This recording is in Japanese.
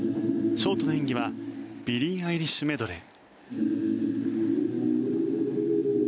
ショートの演技は「ビリー・アイリッシュメドレー」。